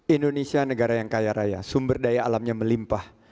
indonesia negara yang kaya raya sumber daya alamnya melimpah